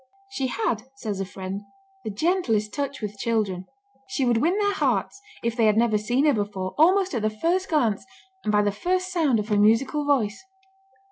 "She had," says a friend, "the gentlest touch with children. She would win their hearts, if they had never seen her before, almost at the first glance, and by the first sound of her musical voice."